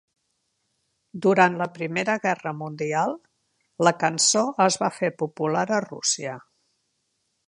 Durant la Primera Guerra Mundial, la cançó es va fer popular a Rússia.